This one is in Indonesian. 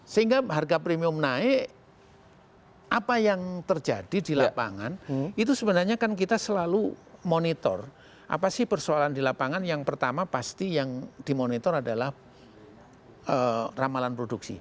sehingga harga premium naik apa yang terjadi di lapangan itu sebenarnya kan kita selalu monitor apa sih persoalan di lapangan yang pertama pasti yang dimonitor adalah ramalan produksi